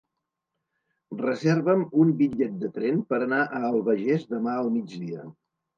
Reserva'm un bitllet de tren per anar a l'Albagés demà al migdia.